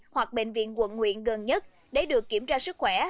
hoặc bệnh viện quận nguyện gần nhất để được kiểm tra sức khỏe